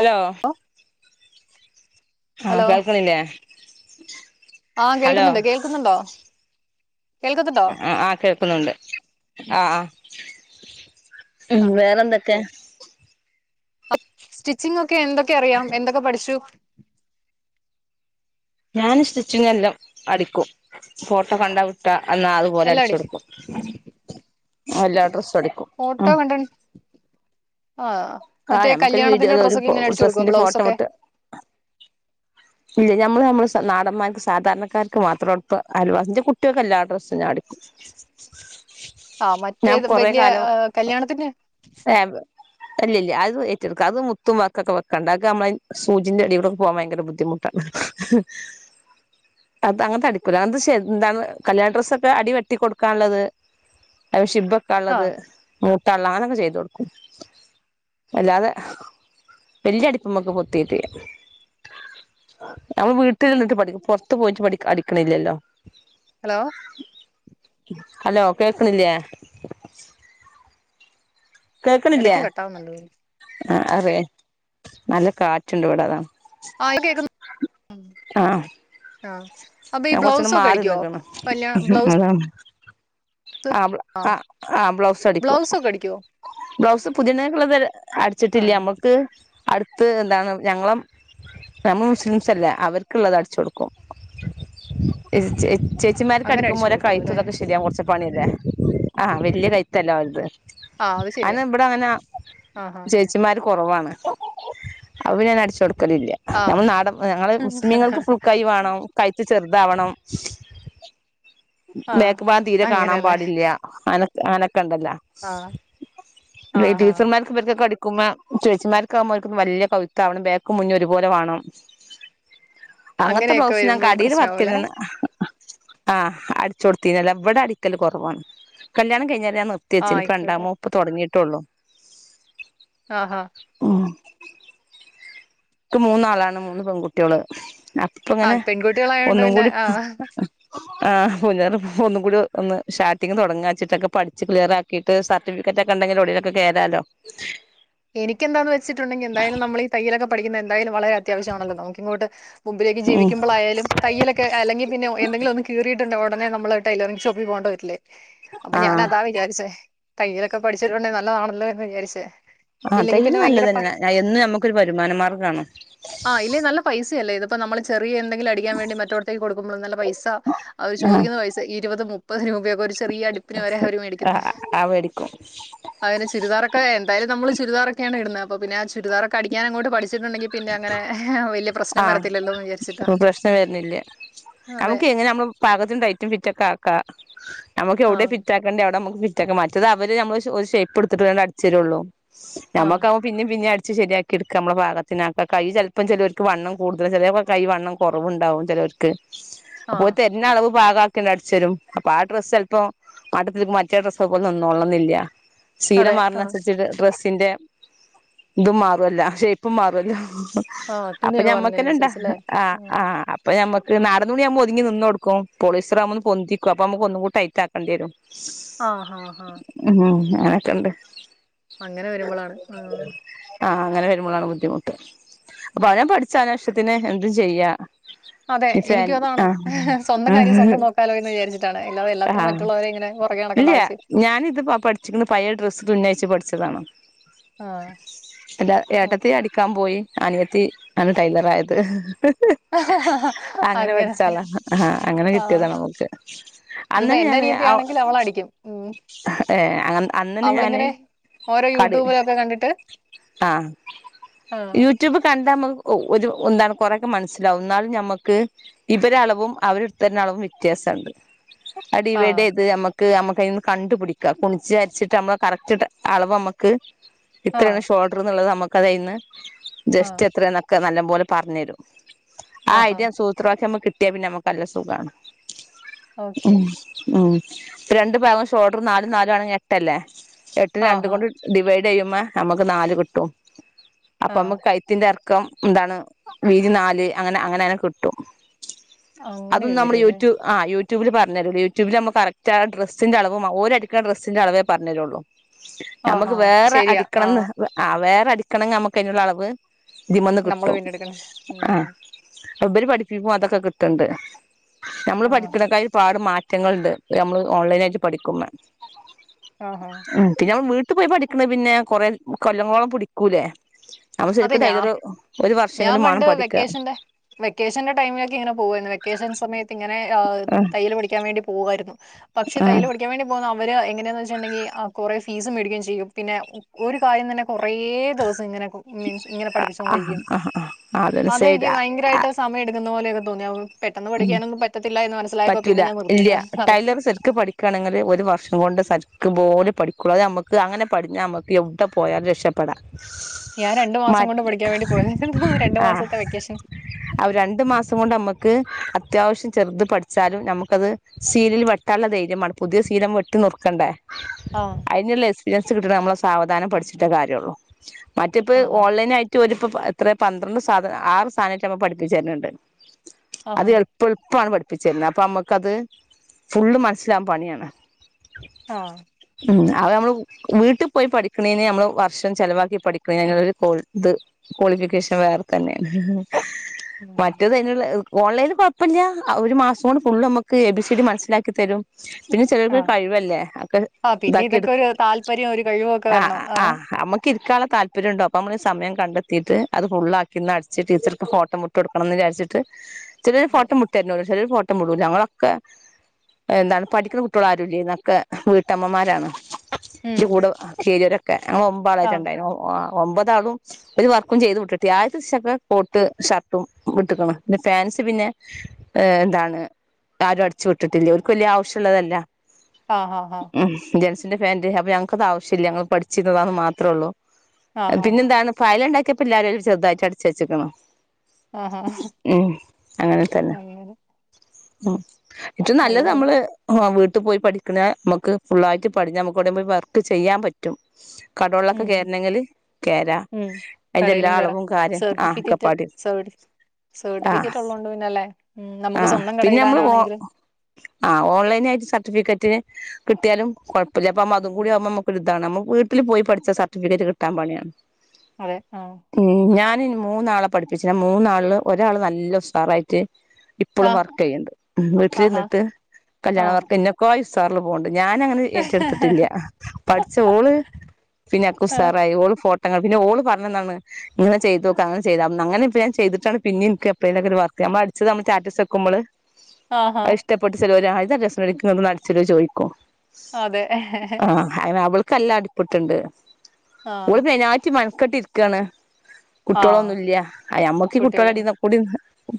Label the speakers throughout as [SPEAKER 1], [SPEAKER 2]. [SPEAKER 1] Hello
[SPEAKER 2] ഓഹ്
[SPEAKER 1] ആഹ് കേൾക്കണില്ലേ
[SPEAKER 2] ആഹ്
[SPEAKER 1] ഹലോ
[SPEAKER 2] കേൾക്കുന്ന്ണ്ട് കേൾക്കുന്നുണ്ടോ കേൾക്കുന്നുണ്ടോ
[SPEAKER 1] ആ ആഹ് കേക്കുന്നുണ്ട് ആഹ് ആ ഉം
[SPEAKER 2] ആ
[SPEAKER 1] വേറെന്തൊക്കെ
[SPEAKER 2] സ്റ്റിച്ചിംഗ്ക്കെ എന്തൊക്കെ അറിയാം എന്തൊക്കെ പഠിച്ചു
[SPEAKER 1] ഞാൻ സ്റ്റിച്ചിങ് എല്ലാം അടിക്കും ഫോട്ടോ കണ്ടാ വിട്ടൽ ന്നാ അതുപോലെ
[SPEAKER 2] എല്ലാം അടി
[SPEAKER 1] അടിച്ചൊടുക്കു എല്ലാ ഡ്രസ്സടിക്കു
[SPEAKER 2] ഫോട്ടോ കണ്ട് ആഹ്
[SPEAKER 1] ആ
[SPEAKER 2] മറ്റേ
[SPEAKER 1] ഞമ്മക്കൊരു വീഡിയോ
[SPEAKER 2] കല്യാണത്തിന്റെ
[SPEAKER 1] ഒരു
[SPEAKER 2] ഡ്രസൊക്കെ ഇങ്ങനെ അടിച്ചു കൊടുക്കോ
[SPEAKER 1] ഡ്രസ്സിന്റെ ഫോട്ടോ
[SPEAKER 2] ബ്ലൗസൊക്കെ
[SPEAKER 1] വിട്ട് ഇല്ല ഞാ നമ്മള് നമ്മള നാടന്മാര സാധാരണക്കാർക്ക് മാത്രപ്പ അയൽവാ ൻ്റെ കുട്ട്യോൾക്കെല്ലാ ഡ്രസും ഞാ അടിക്കു
[SPEAKER 2] ആഹ് മറ്റേത്
[SPEAKER 1] കൊറെ
[SPEAKER 2] വെല്യയ
[SPEAKER 1] കാലം
[SPEAKER 2] ഏഫ് കല്യാണത്തിന്
[SPEAKER 1] അല്ലില്ല അത് ഏറ്റെടുക്ക അത് മുത്തും വാക്കൊക്കെ വെക്കണ്ടേ അക്നമ്മള സൂചിന്റെ അടി കൂടെക്കെ പോവാൻ ഭയങ്കര ബുദ്ധിമുട്ട് ട്ട അത് അങ്ങൻത്തെ അടിക്കൂല അങ്ങത്തെ ശെ ന്താണ് കല്യാണ ഡ്രസ്സൊക്കെ അടിവെട്ടി കൊടുക്കാൻള്ളത് അയിമ
[SPEAKER 2] ആ
[SPEAKER 1] ഷിബക്കെള്ളത് മൂട്ട ഉള്ള അങ്ങനൊക്കെ ചെയ്തൊടക്കു അല്ലാതെ വല്യ അടുപ്പമ്മക്ക്പൊത്തിട്ടില്ല ഞമ്മള് വീട്ടിൽന്നിട്ട് പഠിക്കും പൊറത്തപോയിട്ട് പടി അടിക്കണില്ലല്ലോ
[SPEAKER 2] ഹലോ
[SPEAKER 1] അലോ കേക്കണില്ലേ
[SPEAKER 2] ഇടയ്ക്ക് കട്ടാവുന്നണ്ട്
[SPEAKER 1] ആഹ് അറിയേ നല്ല കാറ്റുണ്ട്ടെ അതാണ്
[SPEAKER 2] ആഹ് കേക്
[SPEAKER 1] ആ
[SPEAKER 2] ആഹ് അപ്പൊ ഈ
[SPEAKER 1] ഞാൻ കൊറച്ചങ്ങട്
[SPEAKER 2] ബ്ലൗസൊക്കെ
[SPEAKER 1] മാറി
[SPEAKER 2] അടിക്കോ
[SPEAKER 1] നിന്ന്ക്കണ്
[SPEAKER 2] കല്യാണ ബ്ലൗസ്
[SPEAKER 1] ആ ആഹ് ബ്ലൗ ആ ആ ബ്ലൗസഅടിക്കും
[SPEAKER 2] ബ്ലൗസ് ഒക്കെ അടിക്കുവോ
[SPEAKER 1] ബ്ലൗസ് പുതിയണ്ണിനെക്കുള്ളത്
[SPEAKER 2] ആ
[SPEAKER 1] അടിച്ചിട്ടില്ല നമ്മക്ക് അടുത്ത് എന്താണ് ഞങ്ങളും നമ്മള് മുസ്ലിംസല്ലേ അവർക്കുള്ളത് അടിച്ചൊടുക്കും ചേച്ച് ചേച്ചിമാരിക്ക്
[SPEAKER 2] അങ്ങനെ അടിച്ചു
[SPEAKER 1] അടിക്കുമോരെ
[SPEAKER 2] കൊടുക്കുള്ളൂ അല്ലേ
[SPEAKER 1] കൈത്തുതൊക്കെ ശെരിയാക കെറച്ച് പണിയല്ലേ ആഹ് വലിയ കൈത്തല്ല ഒരത്
[SPEAKER 2] ആ അത് ശരിയാ
[SPEAKER 1] അയിനവിടെ അങ്ങനെ
[SPEAKER 2] ആ ആ
[SPEAKER 1] ചേച്ചിമാര് കൊറവാണ് അപോപിന്നെ ഞനടിച്ചടുക്കലില്ല
[SPEAKER 2] ആ
[SPEAKER 1] നമ്മള് നാടൻ ഞങ്ങള് മുസ്ലീമിങ്ങൾക്ക് ഫുൾക്കൈവേണം കൈത്ത്ചെറുതാവണം
[SPEAKER 2] ആ ആ
[SPEAKER 1] ബേക്ക്ഭാഗംതീരെ
[SPEAKER 2] അങ്ങനെയല്ലേ
[SPEAKER 1] യ്യാ. അങ്ങനെ അങ്ങനെക്കണ്ടല്ലോ?
[SPEAKER 2] ആ ആ
[SPEAKER 1] ഈ
[SPEAKER 2] ആ
[SPEAKER 1] ടീച്ചർമ്മാര് ഇവര്ക്കൊക്കെ അടിക്കുമ്പോ ചേച്ചിമാര്ക്കാവുമ്പോ ഓർക്കും വല്ല്യേ കൗത്താണ് ബേക്കും മുന്നും ഒരുപോലെ വാണം. അങ്ങത്തെ
[SPEAKER 2] അങ്ങനെയൊക്കെ
[SPEAKER 1] ബ്ലൗസ് ഞാൻ
[SPEAKER 2] വരുമ്പം
[SPEAKER 1] കടീന്ന്
[SPEAKER 2] പ്രശ്നാവുല്ലേ?
[SPEAKER 1] വർക്ക്ന്ന്ന് ആഹ് അടിച്ചൊടുത്തീന്നല്ലോ. ഇവിടെ അടിക്കല് കൊറവാണ്. കല്യാണം കഴിഞ്ഞേഞ്ഞ് ഞാ നിർത്തി
[SPEAKER 2] ആഹ്
[SPEAKER 1] വച്ചേന്നു. ഇപ്പ രണ്ടാ
[SPEAKER 2] ആയിക്കോട്ടെ.
[SPEAKER 1] ഇപ്പൊ തൊടങ്ങിട്ടൊള്ളൂ.
[SPEAKER 2] ആഹ്
[SPEAKER 1] ഉം, ഇക്ക് മൂന്നാളാണ് മൂന്ന് പെൺകുട്ടിയേള്.
[SPEAKER 2] ആഹ്
[SPEAKER 1] ഇപ്പങ്ങനെ
[SPEAKER 2] പെൺകുട്ടികളായോണ്ട്
[SPEAKER 1] ഒന്നും
[SPEAKER 2] പിന്നെ
[SPEAKER 1] കൂടിം
[SPEAKER 2] ആഹ്
[SPEAKER 1] ആഹ് [unintelligible] പ്പൊന്നും കൂടിം ഒന്ന് ഷാർട്ടിങ്ങ് തൊടങ്ങാച്ചിട്ടൊക്കെ പഠിച്ച് ക്ലിയറാക്കിട്ട് സർട്ടിഫിക്കറ്റൊക്കെണ്ടെങ്കി എവടേലൊക്കെ കേറാലോ?
[SPEAKER 2] എനിക്കെന്താന്ന് വെച്ചിട്ടുണ്ടെങ്കി എന്തായാലും നമ്മളീ തയ്യലൊക്കെ പഠിക്കുന്നതെന്തായാലും വളരെ അത്യാവശ്യാണല്ലോ നമുക്ക് ഇങ്ങോട്ട് മുമ്പിലേക്ക്
[SPEAKER 1] ഉം
[SPEAKER 2] ജീവിക്കുമ്പളായാലും തയ്യലൊക്കെ അല്ലെങ്കിപിന്നെ എന്തെങ്കിലൊന്ന് കീറിയിട്ടുണ്ട് ഉടനെ നമ്മള് ട്ടൈലറിങ് ഷോപ്പിൽ പോണ്ടേ വരില്ലേ അപ്പൊ
[SPEAKER 1] ആഹ്
[SPEAKER 2] ഞാനതാ വിചാരിച്ചേ. തയ്യലൊക്കെ പഠിച്ചിട്ടൊണ്ടെ നല്ലതാണല്ലോ എന്ന് വിചാരിച്ചേ.
[SPEAKER 1] ആഹ്
[SPEAKER 2] ഇല്ലെങ്കി
[SPEAKER 1] തയ്യല്
[SPEAKER 2] പിന്നെ ഭയങ്കര പ
[SPEAKER 1] നല്ലത്തന്നെ. ആ എന്നും ഞമ്മക്കൊരു വരുമാനമാർഗാണ്.
[SPEAKER 2] ആ ഇല്ലേ നല്ല പൈസയല്ലേ? ഇതിപ്പ നമ്മള് ചെറിയ എന്തെങ്കിലും അടിക്കാൻ വേണ്ടി മറ്റോടത്തേക്ക് കൊടുക്കുമ്പളും നല്ല പൈസ അവര്
[SPEAKER 1] ആഹ്
[SPEAKER 2] ചോദിക്കുന്ന പൈസ ഇരുപതും മുപ്പത് രൂപയൊക്കെ ഒര് ചെറീയ അടിപ്പിന് വരെ അവര്
[SPEAKER 1] ആ
[SPEAKER 2] മേടിക്കുന്നേ.
[SPEAKER 1] ആ മേടിക്കും
[SPEAKER 2] ആ പിന്നെ ചുരിദാറൊക്ക എന്തായാലും നമ്മള് ചുരിദാറക്കെയാണ് ഇടുന്നത്. അപ്പൊ പിന്നേ ആ ചുരിദാറ് ക്കടിക്കാനങ്ങോട്ട് പഠിച്ചിട്ടുണ്ടെങ്കി പിന്നെ അങ്ങനെ വല്ല്യ പ്രശ്നം വരത്തില്ലല്ലോന്ന് വിചാരിച്ചിട്ടാ.
[SPEAKER 1] പ്പൊ പ്രശ്നം വര്ന്നില്ല. യാ,
[SPEAKER 2] അതെ.
[SPEAKER 1] ഞമ്മക്കെങ്ങനെ ഞമ്മളെ പാകത്തിനു ടൈറ്റും ഫിറ്റൊക്കെ ആക്ക. ഞമ്മക്ക് എവ്ടെ
[SPEAKER 2] ആഹ്.
[SPEAKER 1] ഫിറ്റ് ആക്കണ്ടേ അവടെ മ്മക്ക് ഫിറ്റാക്കാം. മറ്റത് അവര് ഞമ്മളൊരു ഒരു ഷേപ്പ്ടുത്തിട്ട് ഓല് അടിച്ചരൊള്ളൂ.
[SPEAKER 2] ആഹ്.
[SPEAKER 1] ഞമ്മക്ക് പിന്നീം പിന്നീം അടിച്ച് ശരിയാക്കിട്ക്ക മ്മളെ ഭാഗ പിന്നാക്ക. കയ്യ് ചെൽപ്പം ചെലോര്ക്ക് വണ്ണം കൂടുതല് ചെലേപ്പൊ കൈ വണ്ണം കൊറവൂണ്ടാവും ചെലോര്ക്ക്.
[SPEAKER 2] ആഹ്.
[SPEAKER 1] ഓല് തര്ണളവ് പാകാക്കിങ്ങ്ട് അട്ച്ചരും. അപ്പൊ ആ ഡ്രസ്സെൽപ്പൊ മട്ടത്തിൽക്ക് മറ്റേ ഡ്രസ്സൊക്കെ നിന്നോളന്നില്ല. ശീല
[SPEAKER 2] അതെ. ആഹ്.
[SPEAKER 1] മാർണസരിച്ചിട്ട് ഡ്രസ്സിന്റെ ഇതും മാറോല്ലോ ഷേപ്പും മാറുംല്ലോ?
[SPEAKER 2] ആഹ്.
[SPEAKER 1] അപ്പൊ
[SPEAKER 2] തുണിയൊക്കെ
[SPEAKER 1] ഞമ്മക്കനെണ്ട്
[SPEAKER 2] മാറുന്നതിനനുസരിച്ചല്ലേ?
[SPEAKER 1] ആഹ് ആഹ്. അപ്പൊ ഞമ്മക്ക് നാടംതുണിയാമ്പോ ഒതുങ്ങി നിന്നൊട്ക്കും. പോളിസ്റ്ററാകുമ്പോന്ന് പൊന്തിക്കും. അപ്പൊ മ്മക്ക് ഒന്നുംകൂടി ടൈറ്റാക്കെണ്ടേരും.
[SPEAKER 2] ആഹ് ആഹ് ആഹ്.
[SPEAKER 1] ഉം അങ്ങനെക്കെണ്ട്.
[SPEAKER 2] അങ്ങനെ വരുമ്പളാണ് ആഹ്.
[SPEAKER 1] ആഹ് അങ്ങനെ വരുമ്പളാണ് ബുദ്ധിമുട്ട്. അപ്പൊ അവനാൻ പഠിച്ച അവനാഷ്ടത്തിന് എന്തും ചെയ്യാ.
[SPEAKER 2] അതെ
[SPEAKER 1] ഈ ഫാൻ
[SPEAKER 2] എനിക്കും അതാണ്.
[SPEAKER 1] ആ
[SPEAKER 2] സ്വന്തം കാര്യം സ്വന്തം നോക്കാലോ എന്ന് വിചാരിച്ചിട്ടാണ്. ഇല്ലാതെ എല്ലാത്തിനും
[SPEAKER 1] ആ
[SPEAKER 2] മറ്റുള്ളവരെങ്ങനെ പൊറകെ നടക്കണം.
[SPEAKER 1] ഇല്ല ഞാനിത് പാ പഠിച്ചിക്ക്ണത് പയേ ഡ്രസ് തുന്നയ്ച്ച് പഠിച്ചതാണ്.
[SPEAKER 2] ആഹ്.
[SPEAKER 1] എന്റെ
[SPEAKER 2] ഉം.
[SPEAKER 1] ഏട്ടത്തി അട് ക്കാൻ പോയി അനിയത്തി ആണ് ടൈലറായത്. അങ്ങനെ പഠിച്ചാളാ. ആഹ് അങ്ങനെ
[SPEAKER 2] ആഹ്.
[SPEAKER 1] കിട്ടിയതാ നമുക്ക്.
[SPEAKER 2] ഇതിപ്പോ
[SPEAKER 1] അന്നന്നെ
[SPEAKER 2] എന്റനിയത്തിയാണെങ്കിൽ അവളടിക്കും. ഉം
[SPEAKER 1] അതെ. അന്നന്നെ ഞാന്
[SPEAKER 2] അവളിങ്ങനെ ഓരോ യൂടൂബിലൊക്കെ കണ്ടിട്ട്
[SPEAKER 1] ആഹ്.
[SPEAKER 2] ആഹ്.
[SPEAKER 1] യൂ യൂട്യൂബ് കണ്ടാമ്മ ഒ ഒരു എന്താണ് കൊറേക്കെ മനസ്സിലാവും. ന്നാലും ഞമ്മക്ക് ഇവരളവും അവര്ര്ത്തര്ണ അളവും വ്യത്യാസണ്ട്. അത്
[SPEAKER 2] ആ
[SPEAKER 1] ഡിവൈടീത് ഞമ്മ ക്ക് ഞമ്മക്കതിന്ന് കണ്ടുപിടിക്കാം. ഗുണിച്ച് ഹരിച്ചിട്ട് ഞമ്മളെ കറക്റ്റ് ടെ അളവമ്മക്ക്
[SPEAKER 2] ആ
[SPEAKER 1] ഇത്രേണ് ഷോൾഡറ്ന്ന്ള്ളത് നമ്മക്കത് അയ്ൽന്ന്
[SPEAKER 2] ആ
[SPEAKER 1] ചെസ്റ്റ് എത്രേന്നൊക്കെ നല്ലം പോലെ പറഞ്ഞരും. ആ
[SPEAKER 2] ആഹാ
[SPEAKER 1] ഐഡിയ സൂ [unintelligible] നമ്മ കിട്ടിയാ പിന്നെ നമ്മുക്ക് നല്ല സുഖമാണ്
[SPEAKER 2] ഓക്കെ
[SPEAKER 1] ഉ ഉം രണ്ട് ഭാഗം ഷോർഡർ നാലും നാലുംവേണെങ്കിൽ എട്ടല്ലേ എട്ടിനെ രണ്ടും
[SPEAKER 2] ആഹാ
[SPEAKER 1] കൊണ്ട് ഡിവൈഡ് ചെയ്യുമ്പ നമുക്ക് നാല് കിട്ടും
[SPEAKER 2] ആ
[SPEAKER 1] അപ്പൊ നമ്മുക്ക് കൈത്തിന്റെ എർക്കം എന്താണ് വീതി നാല് അങ്ങനെ അങ്ങനെ ന്നെ കിട്ടും
[SPEAKER 2] അങ്ങനെ
[SPEAKER 1] അതും നമ്മുടെ
[SPEAKER 2] വരുമല്ലേ
[SPEAKER 1] യൂറ്റൂ ആ യൂട്യൂബില് പറഞ്ഞ തരും യൂട്യൂബിൽ നമ്മ കറക്റ്റ്ആ ഡ്രസ്സിന്റെ അളവ് ഓരെ ട്ക്കുന്ന ഡ്രസ്സിന്റെ അളവേ പറഞ്ഞ തരുള്ളു
[SPEAKER 2] ആഹാ
[SPEAKER 1] നമ്മുക്ക് വേറെ
[SPEAKER 2] ശരിയാ ആ
[SPEAKER 1] അടിക്കണംന്ന് വേറെ അടിക്കണം നമ്മുക്ക് അതിനുള്ള അളവ് ഇതിമന്ന്
[SPEAKER 2] നമ്മൾ
[SPEAKER 1] കിട്ടും
[SPEAKER 2] പിന്നെ എടുക്കണേ
[SPEAKER 1] ആഹ
[SPEAKER 2] ഉം
[SPEAKER 1] അവര് പഠിപ്പിക്കുമ്പം അതൊക്കെ കിട്ടുന്നുണ്ട് നമ്മള്
[SPEAKER 2] ആഹാ
[SPEAKER 1] പഠിക്കണ കാര് ഒരുപാട് മാറ്റങ്ങളുണ്ട് നമ്മൾ ഓൺലൈന ആയിട്ട് പഠിക്കുമ്പ
[SPEAKER 2] ആഹാ
[SPEAKER 1] പിന്നെമ്മ വീട്ട ട്ട് പോയി പഠിക്കണ പിന്നെ കുറെ കൊല്ലങ്ങളോളം പിടിക്കൂല്ലേ
[SPEAKER 2] അതെ ഞാ ഞാൻ
[SPEAKER 1] വർഷെങ്കിലും വേണം
[SPEAKER 2] പണ്ട്
[SPEAKER 1] പഠിക്ക
[SPEAKER 2] വെക്കേഷന്റെ വെക്കേഷന്റെ ടൈമിലൊക്കെ ഇങ്ങനെ പോകുവായിരുന്നു വെക്കേഷൻ സമയത്ത് ഇങ്ങനെ
[SPEAKER 1] ആഹ്
[SPEAKER 2] തയ്യൽ പഠിക്കൻ വേണ്ടി പോവായിരുന്നു പക്ഷെ തയ്യൽ
[SPEAKER 1] ആഹ്
[SPEAKER 2] പഠിക്കാൻ വേണ്ടി അവര് എങ്ങനെയാന്ന് വെച്ചിട്ടുണ്ടെങ്കിൽ കുറെ ഫീസ് മേടിക്കുകയും ചെയ്യും പിന്നെ ഒരു കാര്യം തന്നെ കുറേ ദിവസം ഇങ്ങനെ മീൻസ് ഇങ്ങനെ പഠിപ്പിച്ച
[SPEAKER 1] ആഹ്
[SPEAKER 2] കൊണ്ടിരിക്കും
[SPEAKER 1] ആഹ് ആഹ് അതന്നെ
[SPEAKER 2] അതെനിക്ക്
[SPEAKER 1] സൈഡ്
[SPEAKER 2] ഭയങ്കരമായിട്ട് സമയം എടുക്കുന്ന പോലെയൊക്കെ തോന്നിയ പെട്ടെന്ന് പഠിക്കാനൊന്നും പറ്റത്തില്ല എന്ന് മനസ്സിലായപ്പോ പിന്നെ ഞാൻ നിർത്തിയതാ അതെ
[SPEAKER 1] എനിക്ക് പഠിക്കുകണെങ്കിൽ ഒരു വർഷം കൊണ്ട് സരിക്കക്ക് പോലെ പഠിക്കുള്ളൂ അത് നമുക്ക് അങ്ങനെ പഠിഞ്ഞാൽ നമുക്ക് എവിടെ പോയാലും രക്ഷപ്പെടാം
[SPEAKER 2] ഞാൻ രണ്ടു മാസം
[SPEAKER 1] മ
[SPEAKER 2] കൊണ്ട് പഠിക്കാൻ വേണ്ടി പോയത് രണ്ടു മാസത്തെ വെക്കേഷൻ
[SPEAKER 1] ആ രണ്ടു മാസം കൊണ്ട് നമ്മുക്ക് അത്യാവശ്യം ചെറുത് പഠിച്ചാലും നമ്മുക്കത് സീരിയൽ വെട്ടാള്ള ധൈര്യം മാണം പുതിയ ശീരം വെട്ട് നറുക്കണ്ടേ
[SPEAKER 2] ആഹ്
[SPEAKER 1] അതിനുള്ള എക്സ്പീരിയൻസ് കിട്ടണേ നമ്മ സാവധാനം പഠിച്ചിട്ടേ കാര്യള്ളൂ മറ്റിപ്പ
[SPEAKER 2] ആഹാ.
[SPEAKER 1] ഓൺലൈനായിട്ട് ഒരുപ്പ ഇത്ര പന്ത്രണ്ട് സാധനം ആറ് സാധനമായിട്ട് നമ്മൾ പഠിപ്പിച്ചു തരുന്നുണ്ട് അത്
[SPEAKER 2] ആഹാ.
[SPEAKER 1] എളുപ്പമാണ് പഠിപ്പിച്ചിരുന്നത് അപ്പൊ നമ്മുക്കത് ഫുള്ള് മനസ്സിലാവാൻ പണിയാണ്
[SPEAKER 2] ആഹ്
[SPEAKER 1] ഉം അതമ്മള് വീട്ടിൽ പോയി പഠിക്കണേന് നമ്മള് വർഷം ചെലവാക്കി പഠിക്കണേന് അങ്ങരു ഇത് ക്വാളിഫിക്കേഷൻ വേറെ തന്നെയാണ്
[SPEAKER 2] ഉം.
[SPEAKER 1] മറ്റത് അതിനുള്ള ഓൺലൈനിൽ കുഴപ്പമില്ല ഒരു മാസം കൊണ്ട് ഫുള്ള് നമുക്ക് എ ബി സി ഡി മനസ്സിലാക്കി തരും പിന്നെ
[SPEAKER 2] ആ.
[SPEAKER 1] ചെലർക്ക് കഴിവല്ലേ ഒക്കെ
[SPEAKER 2] ആ പിന്നെ
[SPEAKER 1] ഇതാക്കി
[SPEAKER 2] ഇതൊക്കെ
[SPEAKER 1] എടുക്കും
[SPEAKER 2] ഒരു താല്പര്യം, ഒരു കഴിവൊക്കെ വരണം.
[SPEAKER 1] ആ അമ്മക്ക് ഒക്ക ഇരിക്കാനുള്ള താല്പര്യംണ്ട അപ്പോ നമ്മൾ സമയ കണ്ടെത്തിയിട്ട് അത് ഫുള്ളാക്കി ഒന്ന് അടിച്ചിട്ട് ടീച്ചർക്ക് ഫോട്ടം വിട്ട് കൊടുകണംന്ന് വിചാരിച്ചിട്ട് ചിലരു
[SPEAKER 2] ഉം.
[SPEAKER 1] ഫോട്ടം വിട്ടിരുന്ന് ചിലൊരു ഫോട്ടം വിടൂല ഞങ്ങളൊക്കെ എന്താണ് പഠിക്കുന്ന കുട്ടികളാരുംല്ലേ എന്നൊക്കെ വീട്ടമ്മമാരാണ്
[SPEAKER 2] ഉം.
[SPEAKER 1] കൂടെ ചെയ്തൊരൊക്കെ അങ്ങ്
[SPEAKER 2] ആ.
[SPEAKER 1] ഒമ്പാളായിട്ടുണ്ടായിന ആഹ് ഒമ്പതാളും ഒരു വർക്കും ചെയ്ത് വിട്ടിട്ടെ ആദ്യത്തെ ദെവസൊക്കെ കോട്ട് ഷർട്ടും വിട്ടേക്കണം പി പാൻസ് പിന്നെ എന്താണ് ആരും അടിച്ച് വിട്ടിട്ടില്ലേ ഒരു വലിയ ആവശ്യള്ളതല്ല
[SPEAKER 2] ആഹാഹാ.
[SPEAKER 1] ഉം ജെൻസിന്റെ ഫാൻറ് അപ്പ ഞങ്ങക്ക് അത് ആവശ്യംല്ല ഞങ്ങൾ പഠിച്ചിരുന്നതാന്ന് മാത്രമേ ഉള്ളൂ
[SPEAKER 2] ആഹാ.
[SPEAKER 1] പിന്നെന്താണ് ഫയല് ഉണ്ടാക്കിയപ്പോ എല്ലാരുംചെറുതായിട്ട് അടിച്ച് വെച്ചേക്കണ്
[SPEAKER 2] ആഹ് ആ
[SPEAKER 1] ഉം അങ്ങനെ തന്നെ ഉം ഏറ്റവും നല്ലത്
[SPEAKER 2] നല്ലതാണ്.
[SPEAKER 1] നമ്മള് ആ വീട്ടിൽ പോയി പഠിക്കണ നമുക്ക് ഫുള്ളായിട്ട് പഠിഞ്ഞ നമക്ക്വിട പോയി വർക്ക് ചെയ്യാൻ പറ്റും പറ്റും കടവള്ളൊക്കെ
[SPEAKER 2] ഉം.
[SPEAKER 1] കേയറണെങ്കില് കയരാം
[SPEAKER 2] ഉം.
[SPEAKER 1] അതിന്റെ എല്ലാ
[SPEAKER 2] കടയിലും കേറാം.
[SPEAKER 1] അളവും കാര്യം ആഹ്
[SPEAKER 2] സർട്ടിഫിക്കറ്റ്
[SPEAKER 1] കപ്പാട്
[SPEAKER 2] സർട്ടിഫി സർട്ടിഫിക്കറ്റ് ഉള്ളതൊണ്ട് പിന്നല്ലേ ഉം
[SPEAKER 1] ആ
[SPEAKER 2] നമുക്ക് സ്വന്തം
[SPEAKER 1] പിന്നെ നമ്മള് ഓ
[SPEAKER 2] കടയിടാനാണെങ്കിലും
[SPEAKER 1] ആ ഓൺലൈനായിട്ട് സർട്ടിഫിക്കറ്റ് കിട്ടിയാലും കുഴപ്പമില്ല അപ്പ അത് കൂടി ആവുമ്പോ നമുക്ക് ഇതാണ് നമ്മ വീട്ടിൽ പോയി പഠിച്ചാലും സർട്ടിഫിക്കറ്റ് കിട്ടാൻ പണിയാണ് [inaudible]
[SPEAKER 2] അതെ ആഹ്
[SPEAKER 1] ഉ. ഞാനി മൂന്നാളെ പഠിപ്പിച്ചി മൂന്നാളില് ഒരാള് നല്ല ഉസാറായിട്ട്
[SPEAKER 2] ആ.
[SPEAKER 1] എപ്പോഴും വർക്ക് ചെയ്യുന്നുണ്ട്
[SPEAKER 2] ആഹാ
[SPEAKER 1] വീട്ടിൽനിന്നിട്ട് കല്യാണ വർക്ക് എന്നൊക്കെ ആസ്സാറിൽ പോകണ്ട് ഞാൻങ്ങനെ ഏറ്റെടുത്തിട്ടില്ല
[SPEAKER 2] ആഹ്
[SPEAKER 1] പഠിച്ച ഓളും പിന്നെ ആക്കുസാറായി ന്നിപിന്നെ ഓള് പറഞ്ഞെന്താണ് ഇങ്ങനെ ചെയ്തോക്കുക അങ്ങന ചെയ്താമതി അങ്ങനെപ്പ ഞാൻ ചെയ്തിട്ടാണ് പിന്നെനിക്ക് എപ്പോഴേലൊക്കെ വർക്ക് അടിച്ചു നമ്മ സ്റ്റാറ്റസ് വക്കുമ്പോള്
[SPEAKER 2] ആഹ് ഹാ
[SPEAKER 1] ഇറ്റപ്പെട്ട ചിലോര് രാജമ എടുന്ന് നടിച്ചോ ചോദിക്കോ
[SPEAKER 2] അതെ
[SPEAKER 1] അന അവൾക്കെല്ലാം അടുപ്പത്തുണ്ട്
[SPEAKER 2] ആഹ്
[SPEAKER 1] അവള് മെനാറ്റി മനക്കെട്ടി ഇരിക്കയാണ്
[SPEAKER 2] ആഹ്
[SPEAKER 1] കുട്ടികളൊന്നും ഇല്ല്യ അയ അമ്മക്ക്
[SPEAKER 2] കുട്ടികള്
[SPEAKER 1] തട്ടടിന്ന കൂടി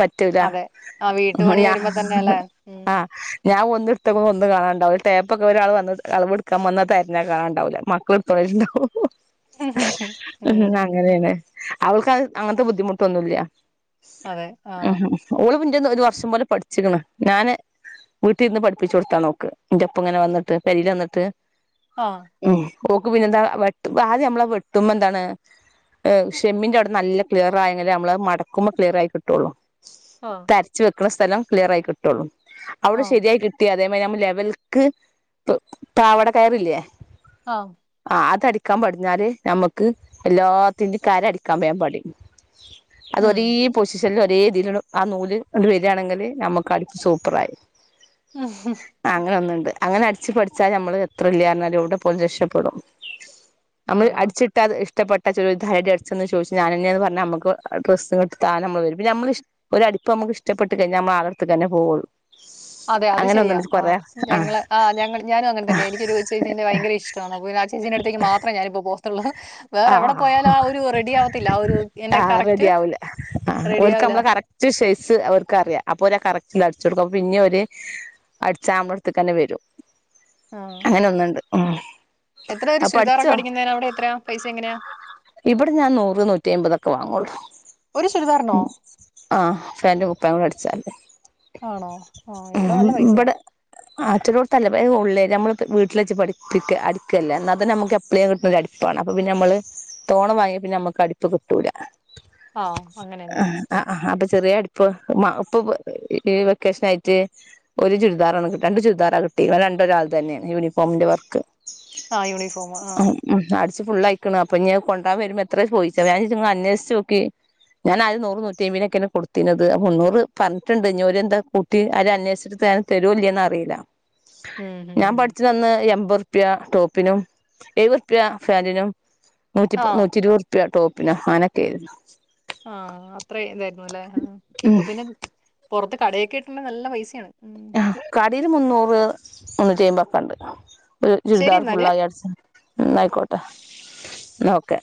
[SPEAKER 1] പറ്റൂല
[SPEAKER 2] അതെ ആ വീട്ടുപണി
[SPEAKER 1] ഞ
[SPEAKER 2] വരുമ്പോ തന്നെ അല്ലേ ഉം
[SPEAKER 1] ആഹ് ഞാൻ ഒന്ന എടുത്ത ഒന്ന കാണാണ്ടാവില്ല ടേപ്പൊക്കെ ഒരാൾ വ അളവെടുക്കാൻന്ന തരഞ്ഞാ കാണാണ്ടാവില്ല മക്കൾ പ്രശ്നാവും ഉം അങ്ങനെയാണ് അവൾക്ക് അങ്ങനത്തെ ബുദ്ധിമുട്ടൊന്നുംല്ല
[SPEAKER 2] അതെ
[SPEAKER 1] ഉം
[SPEAKER 2] ആഹ്
[SPEAKER 1] ഓള് പിന്ന ഒരു വർഷം പോലെ പഠിച്ചിക്കണ് ഞാന് വീട്ടിൽ ഇരുന്ന് പഠിപ്പിച്ചു കൊടുത്താ നോക്ക് എന്റെപ്പ ഇങ്ങനെ വന്നട്ട് പരിൽ വന്നട്ട്
[SPEAKER 2] ആഹ്
[SPEAKER 1] ഉം ഓക്ക് പിന്നെന്താ വെ ആദ്യ നമ്മളെ വെട്ടുമ്മെന്താണ് ഷെമ്മിന്റെവിടെ നല്ല ക്ലിയറ് ആയെങ്ക നമ്മള് മട ക്കുമ്പോ ക്ലിയർ ആയി കിട്ടൊള്ളു
[SPEAKER 2] ആഹ്
[SPEAKER 1] തരച്ച് വെക്കണ സ്ഥലം ക്ലിയർ ആയി കിട്ടുള്ളു. അവിടെ
[SPEAKER 2] ആഹ്
[SPEAKER 1] ശരിയായി കിട്ടി അതേമാരി ഞമ്മട ലെവൽക്ക് പാവാടകയറില്ലേ?
[SPEAKER 2] ആഹ്
[SPEAKER 1] ആഹ് അതടിക്കാൻ പഠിഞ്ഞാല് ഞമ്മക്ക് എല്ലാത്തിന്റേം കര അടിക്കാൻ വേഗം പഠിയും. അത് ഒരീ പൊസിഷനിൽ ഒരീ രീ‌തീലുള്ള ആ നൂല്കൊണ്ട് വരിയാണെങ്കില് നമ്മക്ക് അടിപ്പ് സൂപ്പറായി.
[SPEAKER 2] [unintelligible]
[SPEAKER 1] ആഹ് അങ്ങനൊന്ന്ണ്ട്. അങ്ങനെ അടിച്ചു പഠിച്ചാല് നമ്മള് എത്ര [unintelligible] എവിടെ പോയാലും രക്ഷപ്പെടും. നമ്മള്
[SPEAKER 2] ആഹാ
[SPEAKER 1] അടിച്ചിട്ട അത് ഇഷ്ടപ്പെട്ട ചുരുദാര് ആര് അടിച്ചെന്ന് ചോയിച്ചാ ഞാൻന്നെയാന്ന് പറഞ്ഞാ നമുക്ക് ഡ്രസ്സുംട്ട താന നമ്മൾ വരും. പിന്നെ നമ്മള് ഒരു അടിപ്പ് നമുക്കിഷ്ടപ്പെട്ട് കഴിഞ്ഞാ നമ്മ ആളട്ത്തക്ക് തന്നെ പോകൊള്ളു.
[SPEAKER 2] അതെ അത് ശരിയാ. ആഹ് ഞങ്ങള് ആ ഞങ്ങ ഞാനും അങ്ങനെ തന്നെ എനിക്കൊരു ചേച്ചീന്റെ ഭയങ്കര ഇഷ്ടമാണ്. അപ്പൊപിന്നെ ആ ചേച്ചീന്റെ അട്ത്തേക്ക് മാത്രെ ഞാനിപ്പോ പോകത്തൊള്ളൂ. വേറെവിടെ
[SPEAKER 1] ആഹ്
[SPEAKER 2] പോയാലും ആ ഒരു റെഡി ആവത്തില്ല. ആ ഒരു എന്റെ
[SPEAKER 1] ആഹ്
[SPEAKER 2] കറക്റ്റ് റെഡി ആവില്ല.
[SPEAKER 1] ഒ ഷൈസ് അവർക്ക് അറിയാം. അപ്പൊ ഒ കറക്റ്റില് അടിച്ചു കൊടുക്കും. അപ്പ പിന്നെവര് അടിച്ചാമ്പടത്തേക്ക് തന്നെ വരും.
[SPEAKER 2] ആഹ്
[SPEAKER 1] അങ്ങനൊന്ന്ണ്ട് ആഹ്
[SPEAKER 2] എത്രെ ഒരു ചുരിദാറൊക്കെടിക്കുന്നതിന്. അവിടെ എത്രയാ? പൈസ എങ്ങനെയാ
[SPEAKER 1] ഇവിടെ ഞാൻ നൂറ് നൂറ്റി ഐമ്പതൊക്കെ വാങ്ങോള്ളൂ.
[SPEAKER 2] ഒരു ചുരിദാറിനോ
[SPEAKER 1] ആഹ് ഫാന്റും കുപ്പായോം കൂടെ അടിച്ചാല്.
[SPEAKER 2] ആണോ ആഹ് ഇവിടെ നല്ല പൈസയാ.
[SPEAKER 1] ആറ്റലോടുത്തല്ല വേ ഉള്ളേരിയ നമ്മള് വീട്ടിൽ വെച്ച് പഠപ്പിക്ക അടിക്കല്ലേ എന്നാതന്നെ നമ്മക്ക് എപ്പളേ കിട്ടുന്ന ഒരു അടിപ്പാണ്. അപ്പ പിന്നെ നമ്മള് തോണ വാങ്ങിയ പിന്നെ നമ്മുക്ക് അടുപ്പ് കിട്ടൂല.
[SPEAKER 2] ആഹ് അങ്ങനെയല്ലേ
[SPEAKER 1] ആഹ് അപ്പൊ ചെറിയ അടി ഇപ്പൊ ഇപ്പൊ ഈ വെക്കേഷനായിട്ട് ഒരു ചുരിദാറാണ് കിട്ട രണ്ട് ചുരിദാറ കിട്ട രണ്ട് ഒരാൾ തന്നെയാണ് യൂണിഫോമിന്റെ വർക്ക്.
[SPEAKER 2] ആഹ് യൂണിഫോം
[SPEAKER 1] ആഹ് അഹ് അടി ച്ച് ഫുള്ളയിക്കണ്. അപ്പൊ ഇനി കൊണ്ടാൻ വരുമ്പൊ എത്രയി ചോയിച്ച്. ഞാൻ നിങ്ങള് അന്വേഷിച്ച് നോക്കി ഞാൻ ആദ്യം നൂറ് നൂറ്റിഐമ്പിനൊക്കെയാണ് കൊടുത്തിന്നത്. മുന്നൂറ് പറഞ്ഞിട്ടുണ്ട്. ഇനി ഓരെന്താ ഡി അരന്വേഷിച്ചിട്ട് തരോ ഇല്ല്യോന്നറിയില്ല.
[SPEAKER 2] ഉം ഉം
[SPEAKER 1] ഞാൻ
[SPEAKER 2] ഉം
[SPEAKER 1] പഠിച്ചന്ന് അന്ന് എൺമ്പത്റുപ്യ ടോപ്പിനും എഴുപതുറുപ്യ ഫാന്റിനും നൂറ്റിപ്പ
[SPEAKER 2] ആഹ്
[SPEAKER 1] നൂറ്റി ഇരുപത് റുപ്യ ടോപ്പിനോ ആങ്ങനൊക്കെയിരുന്നു.
[SPEAKER 2] ആഹ് അത്ര ഇതായിരുന്നു അല്ലെ, ഇപ്പ പിന്നെ പൊറത്ത് കടക്കേറ്റണ നല്ല പൈസയാണ്.
[SPEAKER 1] കടേല് മുന്നൂറ്, മുന്നൂറ്റി ഐമ്പത് ഒക്കെ ഉണ്ട്. ഒരു
[SPEAKER 2] ശരി
[SPEAKER 1] ചുരിദാർ
[SPEAKER 2] എന്നാല്
[SPEAKER 1] ഫുള്ളായി അടിച്ചാ ന്നാ ആയിക്കോട്ടെ ന്നാ ഓക്കെ.